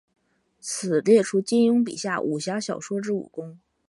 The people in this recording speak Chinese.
此列出金庸笔下武侠小说之武功。